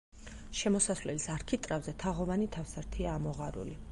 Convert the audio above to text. შემოსასვლელის არქიტრავზე თაღოვანი თავსართია ამოღარული.